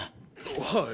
はい。